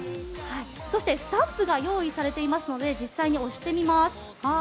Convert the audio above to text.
そしてスタンプが用意されていますので実際に押してみます。